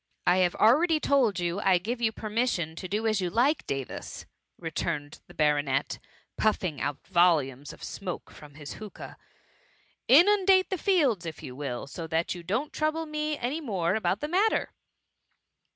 ^I have already told you I give you per mission to do as you like, Davis,^ returned the baronet, puffing out volumes of smoke from hiis hookah. ^* Inundate the fields if you will, so that you don^t trouble me any more about the matter.